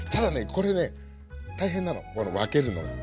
これね大変なの分けるのが。